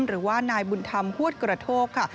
หรือว่านายบุญธรรมฮวดกระโทกค่ะ